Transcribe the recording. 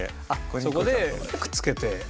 そこでくっつけて。